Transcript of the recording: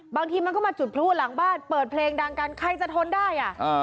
บางทีมันก็มาจุดพลุหลังบ้านเปิดเพลงดังกันใครจะทนได้อ่ะ